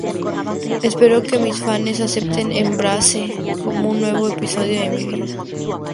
Espero que mis fanes acepten "Embrace" como un nuevo episodio de mi vida.